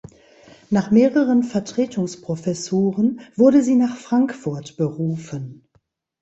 Nach mehren Vertretungsprofessuren wurde sie nach Frankfurt berufen.